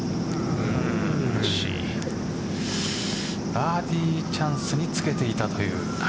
バーディーチャンスにつけていた、という。